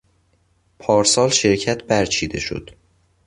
پارسال شرکت برچیده شد.